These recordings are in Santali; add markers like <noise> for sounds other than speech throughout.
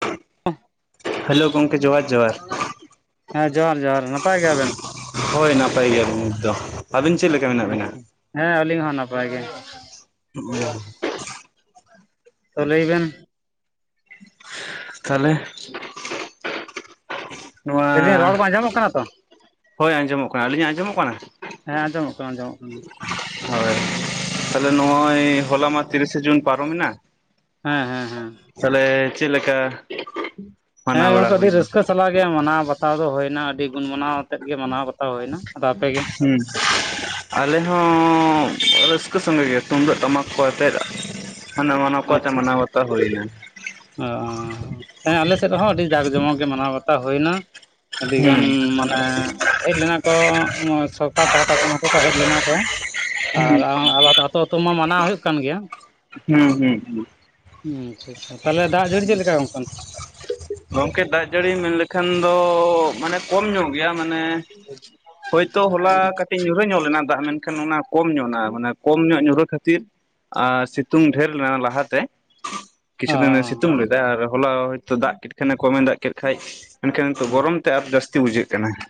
<unintelligible> ᱦᱮᱞᱚ ᱜᱚᱢᱠᱮ ᱡᱚᱦᱟᱨ ᱡᱚᱦᱟᱨ ᱾ ᱦᱮᱸ ᱡᱚᱦᱟᱨ ᱡᱚᱦᱟᱨ ᱱᱟᱯᱟᱭ ᱜᱮᱭᱟᱵᱤᱱ? ᱦᱚᱭ ᱱᱟᱯᱟᱭ ᱜᱮᱭᱟᱞᱤᱧ ᱱᱤᱛ ᱫᱚ ᱾ ᱟᱹᱵᱤᱱ ᱪᱮᱫ ᱞᱮᱠᱟ ᱢᱮᱱᱟᱜ ᱵᱤᱱᱟ? ᱟᱪᱪᱷᱟ ᱦᱮᱸ ᱟᱹᱞᱤᱧ ᱦᱚᱸ ᱱᱟᱯᱟᱭ ᱜᱮ ᱦᱩᱭᱩᱜᱼᱟ ᱾ ᱛᱚ ᱞᱟᱹᱭ ᱵᱮᱱ? ᱛᱟᱦᱚᱞᱮ ᱱᱚᱣᱟ ᱞᱟᱹᱭᱫᱟᱹᱧ ᱨᱚᱲ ᱠᱚ ᱟᱸᱡᱚᱢᱚᱜ ᱠᱟᱱᱟ ᱛᱚ ᱦᱚᱭ ᱟᱸᱡᱚᱢᱚᱜ ᱠᱟᱱᱟ ᱟᱹᱞᱤᱧ ᱟᱸᱡᱚᱢᱚᱜ ᱠᱟᱱᱟ? ᱦᱮᱸ ᱟᱸᱡᱚᱢᱚᱜ ᱠᱟᱱᱟ ᱟᱸᱡᱚᱢᱚᱜ ᱠᱟᱱᱟ ᱾ ᱦᱚᱭ ᱛᱟᱦᱞᱮ ᱱᱚᱜᱼᱚᱭ ᱦᱚᱞᱟ ᱢᱟ ᱛᱤᱨᱤᱥᱮ ᱡᱩᱱ ᱯᱟᱨᱚᱢᱮ ᱮᱱᱟ ᱦᱮᱸ ᱦᱮᱸ ᱦᱮᱸ ᱾ ᱛᱟᱦᱚᱞᱮ ᱪᱮᱫ ᱞᱮᱠᱟ ᱢᱟᱱᱟᱣ ᱦᱮᱸ ᱵᱟᱲᱟ ᱜᱚᱢᱠᱮ ᱟᱹᱰᱤ ᱦᱩᱭᱱᱟ? ᱨᱟᱹᱥᱠᱟᱹ ᱥᱟᱞᱟᱜ ᱜᱮ ᱢᱟᱱᱟᱣ ᱵᱟᱛ ᱛᱟᱣ ᱫᱚ ᱦᱩᱭᱮᱱᱟ ᱟᱹᱰᱤ ᱜᱩᱱ ᱜᱩᱱᱟᱣ ᱟᱛᱮᱫ ᱢᱟᱱᱟᱣ ᱟᱛᱮᱫ ᱜᱮ ᱢᱟᱱᱟᱣ ᱵᱟᱛᱟᱣ ᱦᱩᱭᱱᱟ ᱾ ᱦᱩᱸ ᱾ <unintelligible> ᱟᱞᱮ ᱦᱚᱸ ᱨᱟᱹᱥᱠᱟᱹ ᱥᱚᱝᱜᱮ ᱜᱮ ᱛᱩᱢᱫᱟᱜ ᱴᱟᱢᱟᱠ ᱠᱚ ᱟᱛᱮᱫ ᱦᱟᱱᱟ ᱱᱚ ᱚᱠᱟᱛᱮ ᱟᱪᱪᱷᱟ ᱢᱟᱱᱟᱣ ᱟᱪᱪᱷᱟ ᱵᱟᱛᱟᱣ ᱦᱩᱭ ᱮᱱᱟ ᱾ ᱚ ᱦᱮᱸ ᱟᱞᱮ ᱥᱮᱫ ᱨᱮᱦᱚᱸ ᱟᱹᱰᱤ ᱡᱟᱠ ᱡᱚᱢᱚᱠ ᱜᱮ ᱢᱟᱱᱟᱣ ᱵᱟᱛᱟᱣ ᱦᱩᱭᱱᱟ ᱾ ᱟᱹᱰᱤᱜᱟᱱ ᱦᱩᱸ ᱢᱟᱱᱮ ᱦᱮᱡ ᱞᱮᱱᱟ ᱠᱚ ᱥᱚᱨᱠᱟᱨ ᱯᱟᱦᱴᱟ ᱠᱷᱚᱱ ᱱᱩᱠᱩ ᱠᱚ ᱦᱮᱡ ᱞᱮᱱᱟ ᱠᱚ ᱟᱨ <unintelligible> ᱛᱚ ᱢᱟ ᱢᱟᱱᱟᱣ ᱦᱩᱭᱩᱜ ᱠᱟᱱ ᱜᱮᱭᱟ ᱾ ᱦᱩᱸ ᱦᱩᱸ ᱦᱩᱸ ᱾ ᱟᱪᱪᱷᱟ ᱟᱪᱪᱷᱟ ᱛᱟᱦᱚᱞᱮ ᱫᱟᱜ ᱡᱟᱹᱲᱤ ᱪᱮᱫ ᱞᱮᱠᱟ ᱜᱚᱢᱠᱮ? ᱜᱚᱝᱠᱮ ᱫᱟᱜ ᱡᱟᱹᱲᱤ ᱢᱮᱱ ᱞᱮᱠᱷᱟᱱ ᱫᱚ ᱢᱟᱱᱮ ᱠᱚᱢ ᱧᱚᱜ ᱜᱮᱭᱟ ᱢᱟᱱᱮ ᱦᱚᱭᱛᱚ ᱦᱚᱞᱟ ᱠᱟᱹᱴᱤᱡ ᱧᱩᱨᱦᱟᱹ ᱧᱚᱜ ᱞᱮᱱᱟ ᱫᱟᱜ ᱢᱮᱱᱠᱷᱟᱱ ᱚᱱᱟ ᱠᱚᱢ ᱧᱚᱜ ᱮᱱᱟ ᱢᱟᱱᱮ ᱠᱚᱢ ᱧᱚᱜ ᱧᱩᱨᱦᱟᱹ ᱠᱷᱟᱹᱛᱤᱨ ᱟᱨ ᱥᱤᱛᱩᱝ ᱰᱷᱮᱨ ᱞᱮᱱᱟ ᱞᱟᱦᱟᱛᱮ ᱠᱤᱪᱷᱩ ᱚ ᱫᱤᱱ ᱮ ᱥᱤᱛᱩᱝ ᱞᱮᱫᱟ ᱟᱨ ᱦᱚᱞᱟ ᱦᱚᱭᱛᱚ ᱫᱟᱜ ᱠᱮᱫ ᱠᱷᱟᱱᱮ ᱠᱚᱢᱮ ᱫᱟᱜ ᱠᱮᱫ ᱠᱷᱟᱱ ᱢᱮᱱᱠᱷᱟᱱ ᱚ ᱜᱚᱨᱚᱢ ᱛᱮ ᱟᱨ ᱡᱟᱹᱥᱛᱤ ᱵᱩᱡᱷᱟᱹᱜ ᱠᱟᱱᱟ ᱾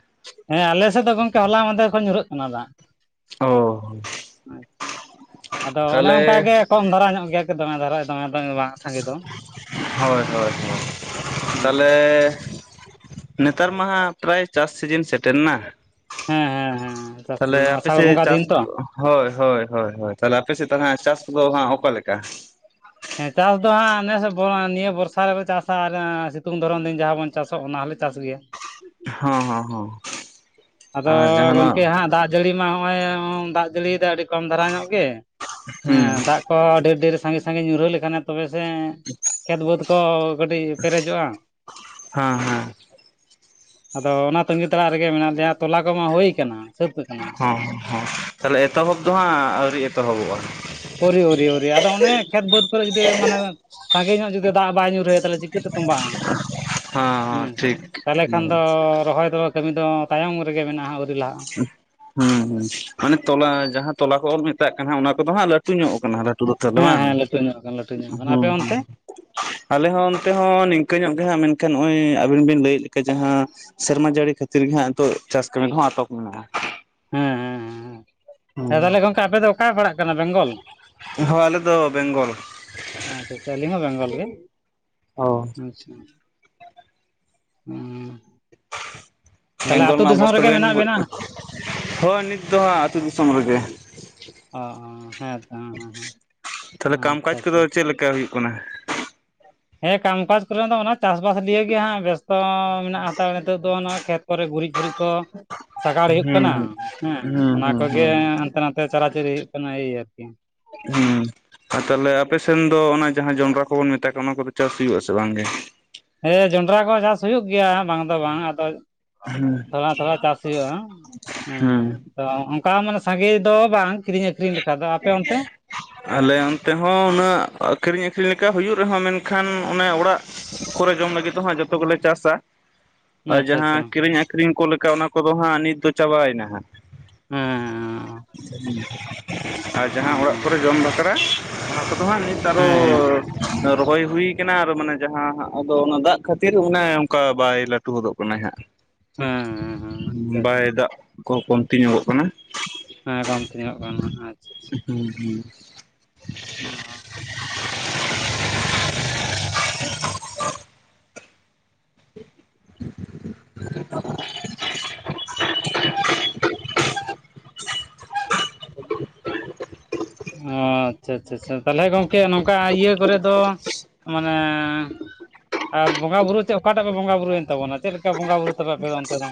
ᱦᱮᱸ ᱟᱞᱮ ᱥᱮᱫ ᱫᱚ ᱜᱚᱢᱠᱮ ᱦᱚᱞᱟ ᱢᱟᱫᱷᱮᱨ ᱠᱷᱚᱱ ᱧᱩᱨᱦᱟᱹᱜ ᱠᱟᱱᱟ ᱫᱟᱜ ᱾ ᱚ ᱟᱫᱚ ᱚᱱᱮ ᱚᱱᱠᱟ ᱛᱟᱦᱚᱞᱮ ᱜᱮ ᱠᱚᱢ ᱫᱷᱟᱨᱟ ᱧᱚᱜ ᱜᱮᱭᱟ ᱫᱚᱢᱮ ᱫᱷᱟᱨᱟ ᱫᱚᱢᱮ ᱵᱟᱝ ᱥᱟᱸᱜᱮ ᱫᱚ ᱾ ᱦᱚᱭ ᱦᱚᱭ ᱦᱚᱭ ᱛᱟᱦᱚᱞᱮ ᱱᱮᱛᱟᱨ ᱢᱟᱦᱟᱸ ᱯᱨᱟᱭ ᱪᱟᱥ ᱥᱤᱡᱤᱱ ᱥᱮᱴᱮᱨ ᱱᱟ ᱾ ᱦᱮᱸ ᱦᱮᱸ ᱦᱮᱸ ᱪᱟᱥ ᱛᱟᱦᱚᱞᱮ ᱫᱤᱱ ᱟᱯᱮ ᱟᱥᱟᱲ ᱥᱮᱫ ᱵᱚᱸᱜᱟ ᱫᱤᱱ ᱪᱟᱥ ᱛᱚ ᱦᱚᱭ ᱦᱚᱭ ᱦᱚᱭ ᱛᱟᱦᱚᱞᱮ ᱟᱯᱮᱥᱮᱫ ᱦᱟᱸᱜ ᱪᱟᱥ ᱫᱚ ᱦᱟᱸᱜ ᱚᱠᱟ ᱞᱮᱠᱟ? ᱦᱮᱸ ᱪᱟᱥ ᱫᱚ ᱦᱟᱸᱜ ᱱᱮᱥ ᱱᱤᱭᱟᱹ ᱵᱚᱨᱥᱟ ᱨᱮᱞᱮ ᱪᱟᱥᱟ ᱟᱨ ᱥᱤᱛᱩᱝ ᱫᱷᱚᱨᱚᱱ ᱫᱤᱱ ᱡᱟᱦᱟᱸ ᱵᱚᱱ ᱪᱟᱥᱟ ᱚᱱᱟ ᱦᱚᱸᱞᱮ ᱪᱟᱥ ᱜᱮᱭᱟ᱾ ᱦᱚᱸ ᱦᱚᱸ ᱦᱚᱸ ᱾ ᱟᱫᱚ ᱜᱚᱝᱠᱮ ᱦᱟᱸᱜ ᱫᱟᱜ ᱡᱟᱹᱲᱤ ᱢᱟ ᱱᱚᱜᱼᱚᱭ ᱫᱟᱜ ᱡᱟᱹᱲᱤᱭᱮᱫᱟ ᱟᱹᱰᱤ ᱠᱚᱢ ᱫᱷᱟᱨᱟ ᱧᱚᱜ ᱜᱮ ᱾ ᱦᱩᱸ ᱦᱮᱸ ᱫᱟᱜ ᱠᱚ ᱟᱹᱰᱤ ᱰᱷᱮᱨ ᱥᱟᱺᱜᱮ ᱥᱟᱺᱜᱮ ᱧᱩᱨᱦᱟᱹ ᱞᱮᱠᱷᱟᱱ ᱛᱚᱵᱮ ᱥᱮ ᱾ ᱠᱷᱮᱛ ᱵᱟᱹᱫᱽ ᱠᱚ ᱠᱟᱹᱴᱤᱡ ᱯᱮᱨᱮᱡᱚᱜᱼᱟ ᱾ ᱦᱮᱸ ᱦᱮᱸ ᱟᱫᱚ ᱚᱱᱟ ᱛᱟᱹᱜᱤ ᱛᱟᱲᱟᱜ ᱨᱮᱜᱮ ᱢᱮᱱᱟᱜ ᱞᱮᱭᱟ ᱛᱚᱞᱟ ᱠᱚᱢᱟ ᱦᱩᱭ ᱟᱠᱟᱱᱟ ᱾ ᱥᱟᱹᱛ ᱦᱚᱸ ᱦᱚᱸ ᱛᱟᱦᱚᱞᱮ ᱮᱛᱚᱦᱚᱵ ᱫᱚ ᱦᱟᱸᱜ ᱟᱹᱣᱨᱤ ᱮᱛᱚᱦᱚᱵᱚᱜᱼᱟ? ᱟᱣᱨᱤ ᱟᱣᱨᱤ ᱟᱣᱨᱤ ᱟᱫᱚ ᱚᱱᱮ ᱠᱷᱮᱛ ᱵᱟᱹᱫᱽ ᱠᱚᱨᱮ ᱡᱩᱫᱤ ᱢᱟᱱᱮ ᱥᱟᱸᱜᱮ ᱧᱚᱜ ᱡᱩᱫᱤ ᱫᱟᱜ ᱵᱟᱭ ᱧᱩᱨᱦᱭᱟ ᱛᱟᱦᱚᱞᱮ ᱪᱤᱠᱟᱹᱛᱮ ᱛᱚᱸᱵᱟᱜᱼᱟ ᱦᱮ ᱦᱚᱸ ᱥᱮ ᱴᱷᱤᱠ ᱛᱟᱦᱚᱞᱮ ᱦᱩᱸ ᱠᱷᱟᱱ ᱫᱚ ᱨᱚᱦᱚᱭ ᱫᱚ ᱠᱟᱹᱢᱤ ᱫᱚ ᱛᱟᱭᱚᱢ ᱨᱮᱜᱮ ᱢᱮᱱᱟᱜᱼᱟ ᱞᱟᱦᱟᱜᱼᱟ ᱦᱩᱸ ᱦᱩᱸ ᱢᱟᱱᱮ ᱛᱚᱞᱟ ᱡᱟᱦᱟᱸ ᱛᱚᱞᱟ ᱠᱚ ᱵᱚ ᱢᱮᱛᱟᱜ ᱠᱟᱱᱟ ᱚᱱᱟ ᱠᱚᱫᱚ ᱦᱟᱸᱜ ᱞᱟᱹᱴ ᱞᱟᱴᱩ ᱧᱚᱜ ᱠᱟᱱᱟ ᱞᱟᱴᱩ ᱫᱚ ᱛᱟᱦᱚᱞᱮ ᱦᱮᱸ ᱵᱟᱝ, ᱦᱮᱸ ᱞᱟᱹᱴᱩ ᱧᱚᱜ ᱟᱠᱟᱱᱟ ᱞᱟᱹᱴᱩ ᱧᱚᱜ ᱦᱩᱸ ᱟᱠᱟᱱᱟ ᱦᱩᱸ ᱟᱯᱮ ᱚᱱᱛᱮ ᱟᱞᱮ ᱦᱚᱸ ᱚᱱᱛᱮ ᱦᱚᱸ ᱱᱤᱝᱠᱟᱹ ᱧᱚᱜ ᱜᱮ ᱦᱟᱸᱜ ᱢᱮᱱᱠᱷᱟᱱ ᱱᱚᱜᱼᱚᱭ ᱟᱹᱵᱤᱱ ᱵᱤᱱ ᱞᱟᱹᱭᱮᱫ ᱞᱮᱠᱟ ᱡᱟᱦᱟᱸ ᱥᱮᱨᱢᱟ ᱡᱟᱹᱲᱤ ᱠᱷᱟᱹᱛᱤᱨ ᱜᱮ ᱦᱟᱸᱜ ᱱᱤᱛᱚᱜ ᱪᱟᱥ ᱠᱟᱹᱢᱤ ᱠᱚᱦᱚᱸ ᱟᱴᱚᱠ ᱢᱮᱱᱟᱜᱼᱟ᱾ ᱦᱮᱸ ᱦᱮᱸ ᱦᱮᱸ ᱦᱩᱸ ᱦᱮᱸ ᱛᱟᱦᱚᱞᱮ ᱜᱚᱢᱠᱮ ᱟᱯᱮ ᱫᱚ ᱚᱠᱟ ᱯᱟᱲᱟᱜ ᱠᱟᱱᱟ ᱵᱮᱝᱜᱚᱞ? ᱦᱳᱭ ᱟᱞᱮ ᱫᱚ ᱵᱮᱝᱜᱚᱞ ᱟᱪᱪᱷᱟ ᱪᱷᱟ ᱟᱞᱤᱧ ᱦᱚᱸ ᱵᱮᱝᱜᱚᱞ ᱜᱮ᱾ ᱚ ᱟᱪᱪᱷᱟ ᱦᱩᱸ ᱛᱟᱦᱚᱞᱮ ᱵᱮᱝᱜᱚᱞ ᱟᱹᱛᱩ ᱨᱮᱱᱟᱜ ᱫᱤᱥᱚᱢ ᱚᱵᱚᱥᱛᱟ ᱨᱮᱜᱮ ᱵᱮᱱ, ᱢᱮᱱᱟᱜ ᱵᱮᱱᱟ ᱦᱳᱭ ᱱᱤᱛ ᱫᱚ ᱦᱟᱸᱜ ᱟᱹᱛᱩ ᱫᱤᱥᱚᱢ ᱨᱮᱜᱮ᱾ ᱚ ᱦᱚ ᱦᱮᱸ ᱛᱚ ᱦᱮᱸ ᱦᱮᱸ ᱟᱪᱪᱷᱟ ᱟᱪᱪᱷᱟ᱾ ᱠᱟᱹ ᱦᱩᱭᱩᱜ ᱠᱟᱱᱟ᱾ ᱦᱮᱸ ᱠᱟᱢᱠᱟᱡ ᱠᱚᱨᱮ ᱫᱚ ᱚᱱᱟ ᱪᱟᱥᱵᱟᱥ ᱱᱤᱭᱮ ᱜᱮ ᱦᱟᱸᱜ ᱵᱮᱥᱛᱚ ᱢᱮᱱᱟᱜ ᱦᱟᱛᱟᱲ ᱱᱤᱛᱚᱜ ᱫᱚ ᱚᱱᱟ ᱠᱷᱮᱛ ᱠᱚᱨᱮ ᱜᱩᱨᱤᱡ ᱜᱩᱨᱤᱡ ᱠᱚ ᱥᱟᱜᱟᱲ ᱦᱩᱭᱩᱜ ᱦᱩᱸ ᱠᱟᱱᱟ ᱦᱮᱸ ᱦᱩᱸ ᱚᱱᱟ ᱦᱩᱸ ᱠᱚᱜᱮ ᱦᱩᱸ ᱦᱟᱱᱛᱮ ᱱᱟᱛᱮ ᱪᱟᱨᱟ ᱪᱟᱹᱨᱤ ᱦᱩᱭᱩᱜ ᱠᱟᱱᱟ ᱮ ᱟᱨᱠᱤ᱾ ᱦᱩᱸ ᱟᱨ ᱛᱟᱦᱚᱞᱮ ᱟᱯᱮᱥᱮᱱ ᱫᱚ ᱚᱱᱟ ᱡᱟᱦᱟᱸ ᱡᱚᱱᱰᱨᱟ ᱠᱚᱵᱚᱱ ᱢᱮᱛᱟᱜ ᱠᱟᱱᱟ ᱚᱱᱟ ᱠᱚᱫᱚ ᱪᱟᱥ ᱦᱩᱭᱩᱜ ᱟ ᱥᱮ ᱵᱟᱝ ᱜᱮ? ᱦᱮᱸ ᱡᱚᱱᱰᱨᱟ ᱠᱚ ᱪᱟᱥ ᱦᱩᱭᱩᱜ ᱜᱮᱭᱟ ᱵᱟᱝ ᱫᱚ ᱵᱟᱝ ᱟᱫᱚ, ᱛᱷᱚᱲᱟ ᱛᱷᱚᱲᱟ ᱪᱟᱥ ᱦᱩᱭᱩᱜᱼᱟ ᱦᱩᱸ ᱦᱮᱸ ᱚᱱᱠᱟ ᱢᱟᱱᱮ ᱥᱟᱸᱜᱮ ᱫᱚ ᱵᱟᱝ, ᱠᱤᱨᱤᱧ ᱟᱹᱠᱷᱨᱤᱧ ᱞᱮᱠᱷᱟ ᱫᱚ᱾ ᱟᱯᱮ ᱚᱱᱛᱮ? ᱟᱞᱮ ᱚᱱᱛᱮ ᱦᱚᱸ ᱩᱱᱟᱹᱜ ᱟᱠᱷᱨᱤᱧ ᱟᱠᱷᱨᱤᱧ ᱞᱮᱠᱟ ᱦᱩᱭᱩᱜ ᱨᱮᱦᱚᱸ ᱢᱮᱱᱠᱷᱟᱱ ᱚᱱᱮ ᱚᱲᱟᱜ ᱠᱚᱨᱮ ᱡᱚᱢ ᱞᱟᱹᱜᱤᱫ ᱫᱚ ᱦᱟᱜ ᱡᱚᱛᱚ ᱜᱮᱞᱮ ᱪᱟᱥᱟ᱾ ᱟᱨ ᱟᱪᱪᱷᱟ ᱡᱟᱦᱟᱸ ᱟᱪᱪᱷᱟ ᱦᱮᱸ ᱠᱤᱨᱤᱧ ᱟᱠᱷᱨᱤᱧ ᱠᱚ ᱞᱮᱠᱟ ᱚᱱᱟ ᱠᱚᱫᱚ ᱦᱟᱸᱜ ᱱᱤᱛ ᱫᱚ ᱪᱟᱵᱟᱭᱮᱱᱟ ᱦᱟᱸᱜ᱾ ᱦᱮᱸ <unintelligible> ᱟᱨ ᱡᱟᱦᱟᱸ ᱚᱲᱟᱜ ᱠᱚᱨᱮ ᱡᱚᱢ ᱵᱟᱠᱷᱨᱟ ᱚᱱᱟ ᱠᱚᱫᱚ ᱦᱟᱸᱜ ᱱᱤᱛᱟᱨ ᱟᱨᱚ ᱦᱮᱸ ᱦᱮᱸ ᱦᱮᱸ ᱨᱚᱦᱚᱭ ᱦᱩᱭ ᱠᱟᱱᱟ ᱟᱨ ᱢᱟᱱᱮ ᱡᱟᱦᱟᱸ ᱦᱟᱸᱜ ᱟᱫᱚ ᱚᱱᱟ ᱫᱟᱜ ᱠᱷᱟᱹᱛᱤᱨ ᱚᱱᱮ ᱚᱱᱠᱟ ᱵᱟᱭ ᱞᱟᱹᱴᱩ ᱦᱚᱫᱚᱜ ᱠᱟᱱᱟᱭ ᱦᱟᱸᱜ᱾ ᱦᱮᱸ ᱦᱮᱸ ᱦᱮᱸ ᱟᱪᱪᱷᱟ ᱵᱟᱭ ᱫᱟᱜ ᱠᱚ ᱠᱚᱢᱛᱤ ᱧᱚᱜᱚᱜ ᱠᱟᱱᱟ᱾ ᱦᱮᱸ ᱠᱚᱢᱛᱮ ᱧᱚᱜ ᱠᱟᱱᱟ <unintelligible> <inaudible> ᱚ <inaudible> <inaudible> ᱚ ᱟᱪᱪᱷᱟ ᱟᱪᱪᱷᱟ ᱪᱷᱟ ᱛᱟᱦᱞᱮ ᱜᱚᱝᱠᱮ ᱱᱚᱝᱠᱟ ᱤᱭᱟᱹ ᱠᱚᱨᱮ ᱫᱚ ᱢᱟᱱᱮ ᱟᱨ ᱵᱚᱸᱜᱟ ᱵᱩᱨᱩ ᱪᱮᱫ ᱚᱠᱟᱴᱟᱜ ᱯᱮ ᱵᱚᱸᱜᱟᱼ ᱵᱩᱨᱩᱭᱮᱱ ᱛᱟᱵᱚᱱᱟ ᱪᱮᱫ ᱞᱮᱠᱟ ᱵᱚᱸᱜᱟ ᱵᱩᱨᱩ ᱛᱚᱵᱮ ᱟᱯᱮ ᱫᱚ ᱚᱱᱛᱮ ᱫᱚ?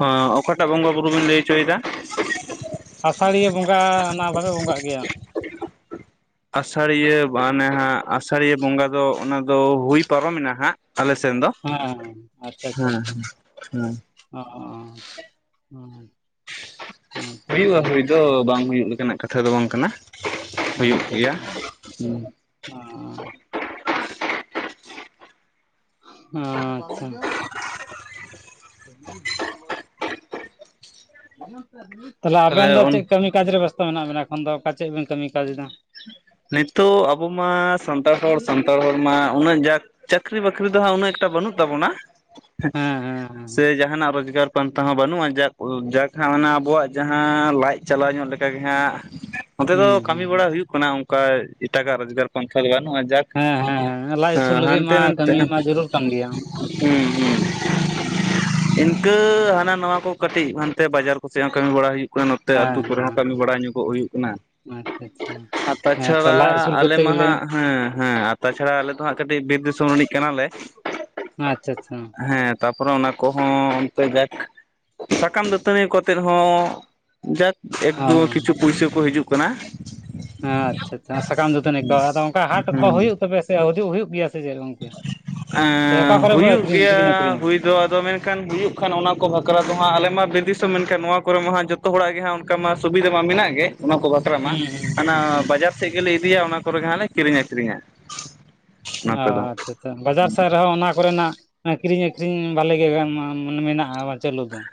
ᱦ ᱚᱠᱟᱴᱟᱜ ᱵᱚᱸᱜᱟ ᱵᱩᱨᱩ ᱵᱤᱱ ᱞᱟᱹᱭ ᱪᱳᱭ ᱫᱟ? ᱟᱥᱟᱲᱤᱭᱟᱹ ᱵᱚᱸᱜᱟ ᱚᱱᱟ ᱵᱟᱯᱮ ᱵᱚᱸᱜᱟᱜ ᱜᱮᱭᱟ? ᱟᱥᱟᱲᱤᱭᱟᱹ ᱢᱟᱱᱮ ᱦᱟᱸᱜ ᱟᱥᱟᱲᱤᱭᱟᱹ ᱵᱚᱸᱜᱟ ᱫᱚ ᱚᱱᱟ ᱫᱚ ᱦᱩᱭ ᱯᱟᱨᱚᱢᱮᱱᱟ ᱦᱟᱸᱜ, ᱟᱞᱮ ᱥᱮᱱ ᱫᱚ ᱦᱮᱸ ᱟᱪᱪᱷᱟ ᱟᱪᱪᱷᱟ ᱦᱮᱸ ᱟᱪᱪᱷᱟ ᱦᱮᱸ, <unintelligible> ᱟᱪᱪᱷᱟ ᱦᱩᱭᱩᱜᱼᱟ ᱟᱪᱪᱷᱟ ᱦᱩᱭ ᱫᱚ ᱵᱟᱝ ᱦᱩᱭᱩᱜ ᱞᱮᱠᱟᱱᱟᱜ ᱠᱟᱛᱷᱟ ᱫᱚ ᱵᱟᱝ ᱠᱟᱱᱟ᱾ ᱦᱩᱭᱩᱜ ᱜᱮᱭᱟ ᱦᱩᱸ ᱚ ᱦ ᱟᱪᱪᱷᱟ ᱛᱟᱦᱚᱞᱮ ᱟᱵᱮᱱ ᱫᱚ ᱪᱮᱫ ᱠᱟᱹᱢᱤ ᱠᱟᱡᱽ ᱨᱮ ᱵᱮᱵᱚᱥᱛᱟ ᱢᱮᱱᱟᱜ ᱵᱮᱱᱟ ᱮᱠᱷᱚᱱ ᱫᱚ, ᱚᱠᱟ ᱪᱮᱫ ᱵᱤᱱ ᱠᱟᱹᱢᱤ ᱠᱟᱡᱽ ᱫᱟ? ᱱᱤᱛᱳ ᱟᱵᱚ ᱢᱟ ᱥᱟᱱᱛᱟᱲ ᱦᱚᱲ, ᱥᱟᱱᱛᱟᱲ ᱦᱚᱲᱢᱟ ᱩᱱᱟᱹᱜ ᱡᱟᱠ ᱪᱟᱹᱠᱨᱤ ᱵᱟᱹᱠᱨᱤ ᱫᱚ ᱦᱟᱸᱜ ᱩᱱᱟᱹᱜ ᱮᱠᱴᱟ ᱵᱟᱹᱱᱩᱜ ᱛᱟᱵᱚᱱᱟ᱾ ᱦᱮᱸ ᱦᱮᱸ ᱦᱮᱸ ᱥᱮ ᱡᱟᱦᱟᱱᱟᱜ ᱨᱳᱡᱽᱜᱟᱨ ᱯᱟᱱᱛᱟ ᱦᱚᱸ ᱵᱟᱹᱱᱩᱜᱼᱟ ᱡᱟᱠ, ᱡᱟᱠ ᱦᱟᱸᱜ ᱢᱟᱱᱮ ᱟᱵᱚᱣᱟᱜ ᱡᱟᱦᱟᱸ ᱞᱟᱡ ᱪᱟᱞᱟᱣ ᱧᱚᱜ ᱞᱮᱠᱟᱜᱮ ᱦᱟᱸᱜ <inaudible> ᱱᱚᱛᱮ ᱫᱚ ᱠᱟᱹᱢᱤ ᱦᱩᱸ ᱵᱟᱲᱟ ᱦᱩᱭᱩᱜ ᱠᱟᱱᱟ, ᱚᱱᱠᱟ ᱮᱴᱟᱜᱟᱜ ᱨᱳᱡᱽᱜᱟᱨ ᱯᱚᱱᱛᱷᱟ ᱫᱚ ᱵᱟᱹᱱᱩᱜᱼᱟ, ᱡᱟᱠ ᱦᱮᱸ ᱦᱮᱸ ᱦᱮᱸ ᱞᱟᱡ ᱟᱹᱥᱩᱞ ᱟᱸ ᱞᱟᱹᱜᱤᱫ ᱦᱟᱱᱛᱮ ᱢᱟ ᱱᱟᱱᱛᱮ, ᱠᱟᱹᱢᱤ ᱦᱩᱸ ᱢᱟ ᱡᱟᱹᱨᱩᱲ ᱠᱟᱱ ᱜᱮᱭᱟ ᱦᱩᱸ᱾ <inaudible> ᱤᱱᱠᱟᱹ ᱦᱟᱱᱟ ᱱᱚᱣᱟ ᱠᱚ ᱠᱟᱹᱴᱤᱡ, ᱦᱟᱱᱛᱮ ᱵᱟᱡᱟᱨ ᱠᱚᱥᱮᱫ ᱦᱚᱸ ᱠᱟᱹᱢᱤ ᱵᱟᱲᱟ ᱦᱩᱭᱩᱜ᱾ ᱚᱠᱟ ᱱᱚᱛᱮ ᱦᱮᱸ ᱟᱹᱛᱩ ᱠᱚᱨᱮ ᱦᱚᱸ ᱦᱮᱸ ᱠᱟᱹᱢᱤ ᱦᱮᱸ ᱵᱟᱲᱟ ᱧᱚᱜᱚᱜ ᱦᱩᱭᱩᱜ ᱠᱟᱱᱟ᱾ ᱟᱪᱪᱷᱟ ᱟᱪᱪᱷᱟ᱾ ᱟᱨ ᱦᱮᱸ ᱛᱚ ᱞᱟᱡ ᱛᱟᱪᱷᱟᱲᱟ, ᱟᱹᱥᱩᱞ ᱟᱞᱮ ᱠᱚᱨᱛᱮ ᱢᱟ ᱜᱮᱞᱮ ᱦᱟᱸᱜ ᱦᱮᱸ ᱦᱮᱸ, ᱟᱨ ᱛᱟᱪᱷᱟᱲᱟ ᱟᱞᱮ ᱫᱚ ᱦᱟᱸᱜ ᱠᱟᱹᱴᱤᱡ ᱵᱤᱨ ᱫᱤᱥᱚᱢ ᱨᱤᱱᱤᱡ ᱠᱟᱱᱟᱞᱮ᱾ ᱟᱪᱪᱷᱟ ᱟᱪᱪᱷᱟ᱾ ᱦᱮᱸ, ᱛᱟᱯᱚᱨᱮ ᱚᱱᱟ ᱠᱚᱦᱚᱸ ᱚᱱᱛᱮ ᱡᱟᱠ, ᱥᱟᱠᱟᱢ ᱫᱟᱹᱛᱟᱹᱱᱤ ᱠᱚᱛᱮᱫ ᱦᱚᱸ ᱡᱟᱠ, ᱚ ᱮᱠᱴᱩᱼᱚ ᱦᱮᱸ ᱠᱤᱪᱷᱩ ᱯᱩᱭᱥᱟᱹ ᱠᱚ ᱦᱤᱡᱩᱜ ᱠᱟᱱᱟ᱾ ᱦᱮᱸ, ᱟᱪᱪᱷᱟ ᱟᱪᱪᱷᱟ᱾ ᱟ ᱥᱟᱠᱟᱢ ᱫᱟᱹᱛᱟᱹᱱᱤ ᱠᱚ, ᱟᱫᱚ ᱚᱱᱠᱟ ᱦᱟᱴ ᱠᱚ ᱦᱩᱭᱩᱜ ᱛᱚᱵᱮ ᱥᱮ ᱦᱤᱡᱩᱜ ᱦᱩᱭᱩᱜ ᱜᱮᱭᱟ, ᱥᱮ ᱪᱮᱫ ᱜᱚᱢᱠᱮ? ᱮᱸᱻ ᱦᱩᱭᱩᱜ ᱜᱮᱭᱟ ᱠᱤᱨᱤᱧ ᱟᱹᱠᱷᱨᱤᱧᱟ ᱦᱩᱭ ᱫᱚ, ᱟᱫᱚ ᱢᱮᱱᱠᱷᱟᱱ ᱦᱩᱭᱩᱜ ᱠᱷᱟᱱ ᱚᱱᱟ ᱠᱚ ᱵᱷᱟᱠᱷᱨᱟ ᱫᱚ ᱦᱟᱸᱜ ᱟᱞᱮ ᱢᱟ ᱵᱤᱨ ᱫᱤᱥᱚᱢ ᱢᱮᱱᱠᱷᱟᱱ ᱱᱚᱣᱟ ᱠᱚᱨᱮ ᱢᱟ ᱦᱟᱸ ᱡᱚᱛᱚ ᱡᱚᱛᱚ ᱦᱚᱲᱟᱜ ᱜᱮ ᱦᱟᱸᱜ ᱚᱱᱠᱟ ᱢᱟ ᱥᱩᱵᱤᱫᱷᱟ ᱢᱟ ᱢᱮᱱᱟᱜ ᱜᱮ, ᱚᱱᱟ ᱠᱚ ᱵᱟᱠᱷᱨᱟ ᱢᱟ ᱦᱩᱸ ᱦᱩᱸ ᱦᱟᱱᱟ ᱦᱩᱸ ᱦᱩᱸ ᱵᱟᱡᱟᱨ ᱥᱮᱫ ᱜᱮᱞᱮ ᱤᱫᱤᱭᱟ ᱚᱱᱟ ᱠᱚᱨᱮ ᱜᱮ ᱦᱟᱸᱜ ᱞᱮ ᱠᱤᱨᱤᱧ ᱟᱹᱠᱷᱨᱤᱧᱼᱟ᱾ ᱚ ᱟᱪᱪᱷᱟ ᱟᱪᱪᱷᱟ᱾ ᱵᱟᱡᱟᱨ ᱥᱮᱫ ᱨᱮᱦᱚᱸ ᱚᱱᱟ ᱠᱚᱨᱮᱱᱟᱜ ᱟᱠᱷᱨᱤᱧ ᱟᱠᱷᱨᱤᱧ, ᱵᱷᱟᱞᱮ ᱜᱮ ᱜᱟᱱ ᱢᱟ ᱢᱮᱱᱟᱜᱼᱟ᱾ ᱟᱵᱟᱨ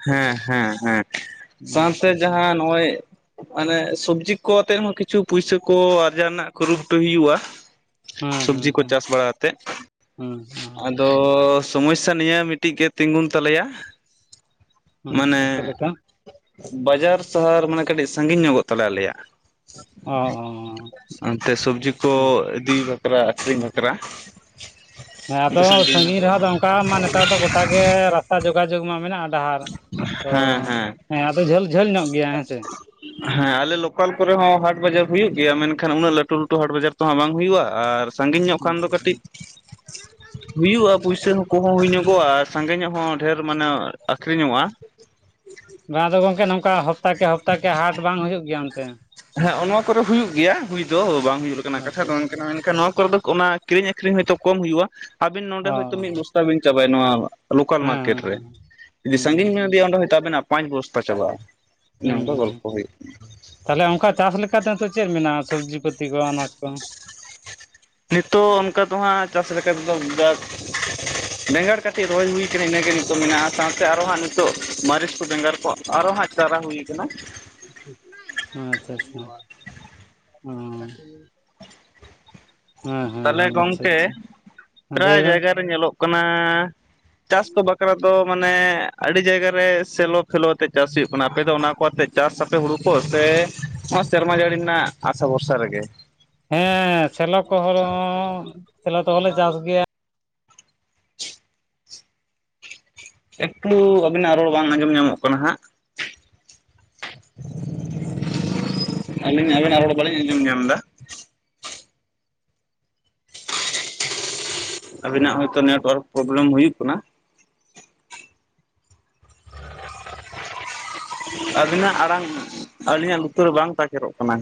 ᱦᱮᱸ ᱦᱮᱸ ᱦᱮᱸ, ᱥᱟᱶᱛᱮ ᱟᱪᱪᱷᱟ ᱟᱪᱪᱷᱟ ᱡᱟᱦᱟᱸ ᱱᱚᱜᱼᱚᱭ ᱢᱟᱱᱮ ᱥᱚᱵᱡᱤ ᱠᱚ ᱛᱮᱦᱚᱸ ᱠᱤᱪᱷᱩ ᱯᱩᱭᱥᱟᱹ ᱠᱚ ᱟᱨᱡᱟᱣ ᱨᱮᱱᱟᱜ ᱠᱩᱨᱩᱢᱩᱴᱩᱭ ᱦᱩᱭᱩᱜᱼᱟ᱾ ᱦᱮᱸ ᱦᱮᱸ ᱥᱚᱵᱡᱤ ᱦᱮᱸ ᱠᱚ ᱦᱮᱸ ᱪᱟᱥ ᱵᱟᱲᱟ ᱟᱛᱮᱫ᱾ ᱦᱮᱸ ᱟᱫᱚ ᱥᱚᱢᱚᱥᱭᱟ ᱱᱤᱭᱟᱹ ᱢᱤᱫᱴᱤᱡ ᱜᱮ ᱛᱤᱜᱩᱱ ᱛᱟᱞᱮᱭᱟ᱾ ᱟᱪᱪᱷᱟ ᱢᱟᱱᱮ, ᱪᱮᱫ ᱞᱮᱠᱟ ᱵᱟᱡᱟᱨ ᱥᱟᱦᱟᱨ ᱢᱟᱱᱮ ᱠᱟᱹᱴᱤᱡ ᱥᱟᱺᱜᱤᱧ ᱧᱚᱜᱚᱜ ᱛᱟᱞᱮ ᱟᱞᱮᱭᱟᱜ᱾ ᱚ ᱚᱱᱛᱮ ᱥᱚᱵᱡᱤ ᱠᱚ ᱚ ᱤᱫᱤ ᱵᱟᱠᱷᱨᱟ ᱟᱹᱠᱷᱨᱤᱧ ᱵᱟᱠᱷᱨᱟ᱾ ᱦᱮᱸ ᱚᱱᱛᱮ ᱟᱫᱚ ᱥᱟᱺᱜᱤᱧ ᱧᱚᱜᱚᱜᱼᱟ ᱨᱮᱦᱚᱸ ᱫᱚ ᱚᱝᱠᱟᱼᱟᱜ ᱢᱟ ᱱᱮᱛᱟᱨ ᱫᱚ ᱜᱚᱴᱟ ᱜᱮ ᱨᱟᱥᱛᱟ ᱚᱱᱠᱟ ᱡᱳᱜᱟᱡᱳᱜᱽ ᱢᱟ ᱢᱮᱱᱟᱜ ᱰᱟᱦᱟᱨ, ᱛᱚ ᱦᱮᱸ ᱟᱫᱚ ᱡᱷᱟᱹᱞ ᱡᱷᱟᱹᱞ ᱧᱚᱜ ᱜᱮᱭᱟ, ᱦᱮᱸ ᱥᱮ᱾ ᱦᱮᱸ, ᱟᱞᱮ ᱞᱳᱠᱟᱞ ᱠᱚᱨᱮ ᱦᱚᱸ ᱦᱟᱴ ᱵᱟᱡᱟᱨ ᱦᱩᱭᱩᱜ ᱜᱮᱭᱟ᱾ ᱢᱮᱱᱠᱷᱟᱱ ᱩᱱᱟᱹᱜ ᱞᱟᱹᱴᱩ ᱞᱟᱹᱴᱩ ᱦᱟᱴ ᱵᱟᱡᱟᱨ ᱛᱚ ᱦᱟᱸᱜ ᱵᱟᱝ ᱦᱩᱭᱩᱜᱼᱟ᱾ ᱟᱨ ᱥᱟᱺᱜᱤᱧ ᱧᱚᱜ ᱠᱷᱟᱱ ᱫᱚ ᱠᱟᱹᱴᱤᱡ ᱦᱩᱭᱩᱜᱼᱟ ᱯᱩᱭᱥᱟ ᱦᱚᱸ ᱠᱚᱦᱚᱸ ᱦᱩᱭ ᱧᱚᱜᱚᱜᱼᱟ, ᱟᱨ ᱥᱟᱸᱜᱮ ᱧᱚᱜ ᱦᱚᱸ ᱰᱷᱮᱸᱨ ᱢᱟᱱᱮ ᱟᱹᱠᱷᱨᱤᱧᱚᱜᱼᱟ᱾ ᱵᱟᱝ ᱟᱫᱚ ᱜᱚᱢᱠᱮ ᱱᱚᱝᱠᱟ ᱦᱟᱯᱛᱟ ᱠᱮ ᱦᱚᱯᱛᱟ ᱠᱮ ᱦᱟᱴ, ᱵᱟᱝ ᱦᱳᱭᱳᱜ ᱜᱮᱭᱟ ᱚᱱᱛᱮ? ᱦᱮᱸ, ᱱᱚᱣᱟ ᱠᱚᱨᱮ ᱦᱩᱭᱩᱜ ᱜᱮᱭᱟ ᱦᱩᱭ ᱫᱚ ᱵᱟᱝ ᱦᱩᱭᱜ ᱞᱮᱠᱟᱱᱟᱜ ᱠᱟᱛᱷᱟ ᱟᱪᱪᱷᱟ ᱫᱚ ᱵᱟᱝ ᱟᱪᱪᱷᱟ ᱠᱟᱱᱟ᱾ ᱢᱮᱱᱠᱷᱟᱱ ᱱᱚᱣᱟ ᱠᱚᱨᱮ ᱫᱚ ᱚᱱᱟ ᱠᱤᱨᱤᱧ ᱟᱹᱠᱷᱨᱤᱧ ᱦᱚᱭᱛᱳ ᱠᱚᱢ ᱦᱩᱭᱩᱜᱼᱟ᱾ ᱟᱹᱵᱤᱱ ᱱᱚᱰᱮ ᱚ ᱦᱚᱭᱛᱳ ᱢᱤᱫ ᱵᱚᱥᱛᱟ ᱵᱤᱱ ᱪᱟᱵᱟᱭ ᱱᱚᱣᱟ ᱞᱳᱠᱟᱞ ᱦᱮᱸ ᱢᱟᱨᱠᱮᱴ ᱦᱮᱸ ᱨᱮ, ᱡᱩᱫᱤ ᱥᱟᱺᱜᱤᱧ ᱦᱩᱸ ᱵᱮᱱ ᱤᱫᱮᱭᱟ ᱚᱸᱰᱮ ᱦᱚᱭᱛᱳ ᱟᱵᱮᱱᱟᱜ ᱯᱟᱸᱪ ᱵᱚᱥᱛᱟ ᱪᱟᱵᱟᱜᱼᱟ᱾ ᱚᱱᱮ ᱦᱩᱸ ᱚᱱᱠᱟ ᱦᱩᱸ ᱜᱚᱞᱯᱷᱚ ᱦᱳᱭᱳᱜ᱾ ᱛᱟᱦᱚᱞᱮ ᱚᱱᱠᱟ ᱪᱟᱥ ᱞᱮᱠᱟᱛᱮ ᱟᱫᱚ ᱪᱮᱫ ᱢᱮᱱᱟᱜᱼᱟ, ᱥᱚᱵᱽᱡᱤ ᱯᱟᱹᱛᱤ ᱠᱚ ᱟᱱᱟᱡᱽ ᱠᱚ? ᱱᱤᱛᱚᱜ ᱚᱱᱠᱟ ᱫᱚ ᱦᱟᱸᱜ ᱪᱟᱥ ᱞᱮᱠᱟᱛᱮᱫᱚ ᱡᱟᱠ ᱵᱮᱸᱜᱟᱲ ᱠᱟᱹᱴᱷᱤ ᱨᱚᱦᱚᱭ ᱦᱩᱭ ᱠᱟᱱᱟ ᱤᱱᱟᱹᱜᱮ ᱱᱤᱛᱚᱜ ᱢᱮᱱᱟᱜᱼᱟ᱾ ᱥᱟᱶᱛᱮ ᱟᱨᱚ ᱦᱟᱸᱜ ᱱᱤᱛᱚᱜ ᱢᱟᱹᱨᱤᱪ ᱠᱚ ᱵᱮᱸᱜᱟᱲ ᱠᱚ ᱟᱨᱚ ᱦᱟᱸᱜ ᱪᱟᱨᱟ ᱦᱩᱭ ᱠᱟᱱᱟ᱾ ᱟᱪᱪᱷᱟ ᱟᱪᱪᱷᱟ ᱱᱩᱭᱟ, ᱚᱸ᱾ ᱛᱟᱦᱚᱞᱮ ᱟᱪᱪᱷᱟ ᱜᱚᱢᱠᱮ ᱟᱪᱪᱷᱟ ᱯᱨᱟᱭ ᱞᱟᱹᱭ ᱵᱮᱱ ᱡᱟᱭᱜᱟ ᱨᱮ ᱧᱮᱞᱚᱜ ᱠᱟᱱᱟ᱾ ᱪᱟᱥ ᱠᱚ ᱵᱟᱠᱷᱨᱟ ᱫᱚ ᱢᱟᱱᱮ ᱟᱹᱰᱤ ᱡᱟᱭᱜᱟ ᱨᱮ ᱥᱮᱞᱚ ᱯᱷᱮᱞᱚ ᱟᱛᱮ ᱪᱟᱥ ᱦᱩᱭᱩᱜ ᱠᱟᱱᱟ ᱟᱯᱮ ᱫᱚ ᱚᱱᱟ ᱠᱚ ᱟᱛᱮᱜᱼᱼ ᱪᱟᱥ ᱟᱯᱮ ᱦᱩᱲᱩ ᱠᱚ ᱥᱮ ᱥᱮᱨᱢᱟ ᱡᱟᱹᱲᱤ ᱨᱮᱱᱟᱜ ᱟᱥᱟ ᱵᱷᱚᱨᱥᱟ ᱨᱮᱜᱮ? ᱦᱮᱸ ᱥᱮᱞᱚ ᱠᱚᱦ ᱨᱮᱦᱚ ᱥᱮᱞᱚ ᱛᱮᱸᱦᱚᱸ ᱞᱮ ᱪᱟᱥ ᱜᱮᱭᱟ᱾ ᱮᱠᱴᱩ ᱟᱵᱤᱱᱟᱜ ᱨᱚᱲ ᱵᱟᱝ ᱟᱸᱡᱚᱢ ᱧᱟᱢᱚᱜ ᱠᱟᱱᱟ ᱦᱟᱸᱜ? ᱟᱹᱞᱤᱧ ᱟᱵᱤᱱᱟᱜ ᱨᱚᱲ ᱵᱟᱹᱞᱤᱧ ᱟᱸᱡᱚᱢ ᱧᱟᱢᱫᱟ? ᱟᱵᱤ ᱱᱟᱜ ᱦᱚᱭᱛᱚ ᱱᱮᱴᱳᱣᱟᱨᱠ ᱯᱨᱚᱵᱞᱮᱢ ᱦᱩᱭᱩᱜ ᱠᱟᱱᱟ ᱾ <unintelligible> ᱟᱹᱵᱤᱱᱟᱜ ᱟᱲᱟᱝ ᱟᱹᱞᱤᱧᱟᱜ ᱞᱩᱛᱩᱨ ᱨᱮ ᱵᱟᱝ ᱛᱟᱠᱮᱨᱚᱜ ᱠᱟᱱᱟ?